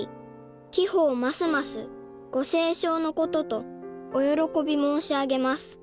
「貴方ますますご清祥のこととお喜び申し上げます」